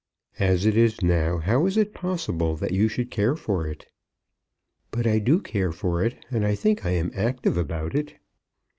As it is now, how is it possible that you should care for it?" "But I do care for it, and I think I am active about it."